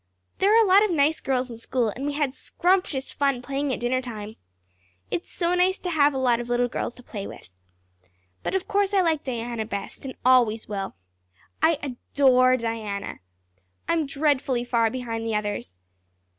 There are a lot of nice girls in school and we had scrumptious fun playing at dinnertime. It's so nice to have a lot of little girls to play with. But of course I like Diana best and always will. I adore Diana. I'm dreadfully far behind the others.